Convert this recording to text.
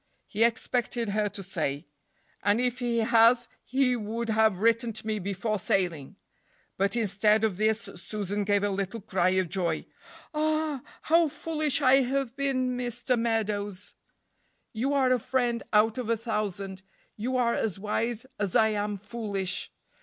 He expected her to say, "And if he has he would have written to me before sailing." But instead of this Susan gave a little cry of joy. "Ah! how foolish I have been. Mr. Meadows, you are a friend out of a thousand; you are as wise as I am foolish.